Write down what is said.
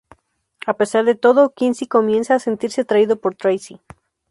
A pesar de todo, Quincy comienza a sentirse atraído por Tracy.